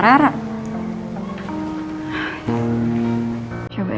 bapak mau bawa pak